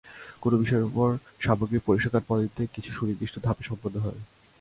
কোন বিষয়ের উপর সামগ্রিক পরিসংখ্যান পদ্ধতি কিছু সুনির্দিষ্ট ধাপে সম্পন্ন হয়।